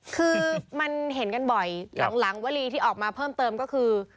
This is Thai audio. คือมันเห็นกันบ่อยหลังวลีที่ออกมาเพิ่มเติมก็คือ